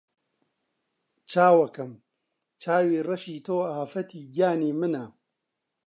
چاوەکەم! چاوی ڕەشی تۆ ئافەتی گیانی منە